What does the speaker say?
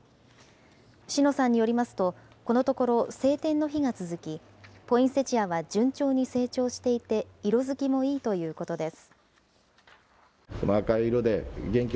篠さんによりますと、このところ晴天の日が続き、ポインセチアは順調に成長していて、色づきもいいということです。